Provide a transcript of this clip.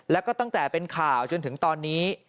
แล้วก็ตั้งแต่เป็นข่าวจนถึงตอนนี้